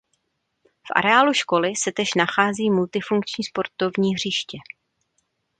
V areálu školy se též nachází multifunkční sportovní hřiště.